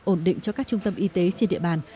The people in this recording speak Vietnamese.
ổn định cho các trung tâm y tế trên địa bàn